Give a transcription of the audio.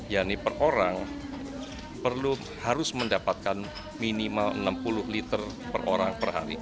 yani per orang harus mendapatkan minimal enam puluh liter per orang